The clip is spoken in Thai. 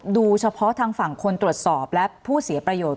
โดยเฉพาะทางฝั่งคนตรวจสอบและผู้เสียประโยชน์